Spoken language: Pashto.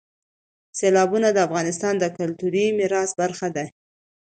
سیلابونه د افغانستان د کلتوري میراث برخه ده.